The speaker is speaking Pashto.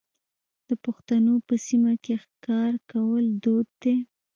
د پښتنو په سیمو کې ښکار کول دود دی.